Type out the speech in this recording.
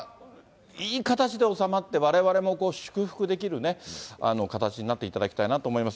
いい形で収まって、われわれも祝福できるね、形になっていただきたいなと思います。